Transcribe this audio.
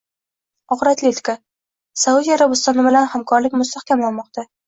Og‘ir atletika: Saudiya Arabistoni bilan hamkorlik mustahkamlanmoqda